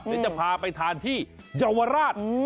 และจะพาไปทานที่เยาวราช